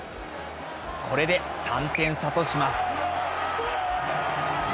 これで３点差とします。